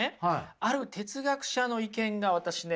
ある哲学者の意見が私ね